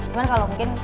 cuman kalau mungkin